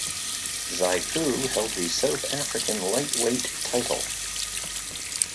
Xipu held the South African lightweight title.